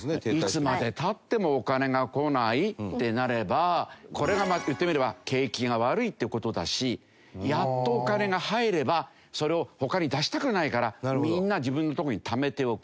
いつまで経ってもお金が来ないってなればこれが言ってみれば景気が悪いって事だしやっとお金が入ればそれを他に出したくないからみんな自分のところにためておく。